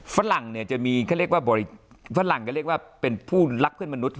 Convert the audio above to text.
ฝรั่งเนี่ยจะมีเขาเรียกว่าฝรั่งก็เรียกว่าเป็นผู้รักเพื่อนมนุษย